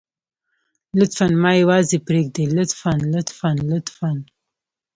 لطفاً ما يوازې پرېږدئ لطفاً لطفاً لطفاً.